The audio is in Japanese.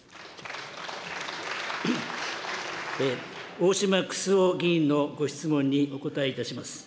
大島九州男議員のご質問にお答えいたします。